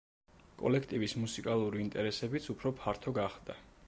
კოლექტივის მუსიკალური ინტერესებიც უფრო ფართო გახდა.